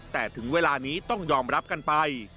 แต่ถึงเวลานี้ต้องยอมรับกันไป